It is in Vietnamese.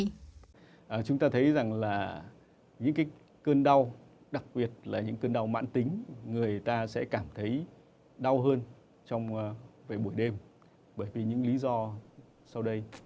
những cơn đau đặc biệt là những cơn đau mãn tính người ta sẽ cảm thấy đau hơn trong buổi đêm bởi vì những lý do sau đây